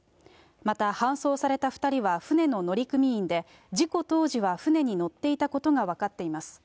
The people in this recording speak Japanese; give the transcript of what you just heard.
また、搬送された２人は、船の乗組員で、事故当時は船に乗っていたことが分かっています。